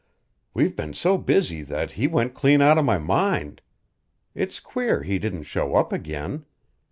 "We've been so busy that he went clean out of my mind. It's queer he didn't show up again.